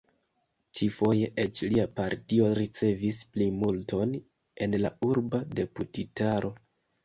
Ĉi-foje eĉ lia partio ricevis plimulton en la urba deputitaro.